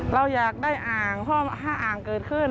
เราอยากได้อ่างเพราะว่าถ้าอ่างเกิดขึ้น